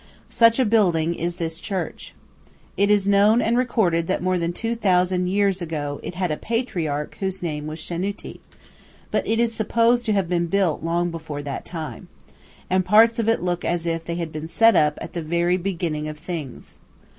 Such a building is this church. It is known and recorded that more than a thousand years ago it had a patriarch whose name was Shenuti; but it is supposed to have been built long before that time, and parts of it look as if they had been set up at the very beginning of things.